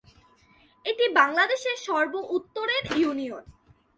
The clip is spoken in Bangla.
এটি বাংলাদেশের সর্ব উত্তরের ইউনিয়ন।